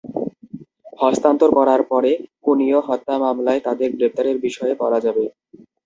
হস্তান্তর করার পরে কুনিও হত্যা মামলায় তাঁদের গ্রেপ্তারের বিষয়ে বলা যাবে।